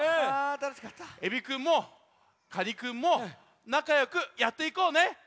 エビくんもカニくんもなかよくやっていこうね。